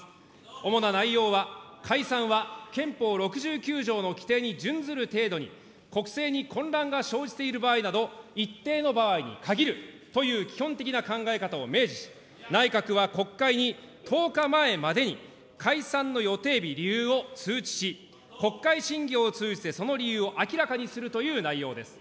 主な内容は、解散は憲法６９条の規定に順ずる程度に、国政に混乱が生じている場合など、一定の場合に限るという基本的な考え方を明示し、内閣は国会に、１０日前までに解散の予定日、理由を通知し、国会審議を通じてその理由を明らかにするという内容です。